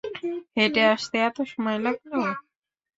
হেঁটে আসতে এত সময় লাগল?